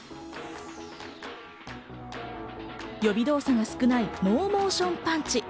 予備動作が少ないノーモーションパンチ。